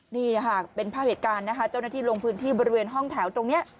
นี่ค่ะเป็นภาพเหตุการณ์นะคะเจ้าหน้าที่ลงพื้นที่บริเวณห้องแถวตรงนี้